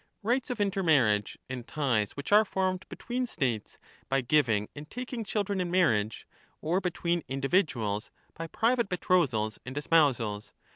Rights of intermarriage, and ties which are formed between States by giving and taking children in marriage, or between individuals by private betrothals and espousals.